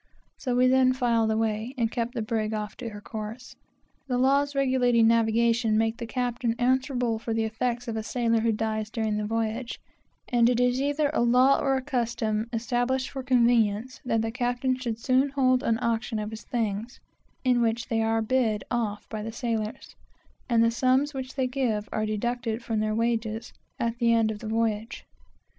So we then filled away and kept her off to her course. The laws regulating navigation make the captain answerable for the effects of a sailor who dies during the voyage, and it is either a law or a universal custom, established for convenience, that the captain should immediately hold an auction of his things, in which they are bid off by the sailors, and the sums which they give are deducted from their wages at the end of the voyage.